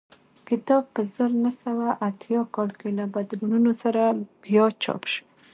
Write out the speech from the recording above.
کتاب په زر نه سوه اتیا کال کې له بدلونونو سره بیا چاپ شو